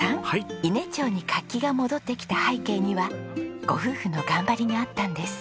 伊根町に活気が戻ってきた背景にはご夫婦の頑張りがあったんです。